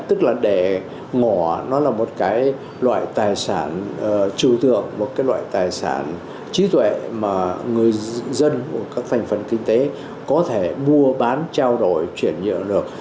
tức là để mỏ nó là một cái loại tài sản trừ thượng một cái loại tài sản trí tuệ mà người dân các thành phần kinh tế có thể mua bán trao đổi chuyển nhượng được